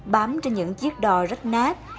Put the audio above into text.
bám trên những chiếc đò rách nát